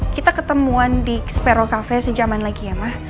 kita ketemuan di sparrow cafe sejaman lagi ya ma